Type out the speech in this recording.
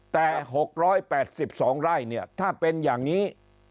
แต่๖๘๒ไร่เนี่ยถ้าเป็นอย่างนี้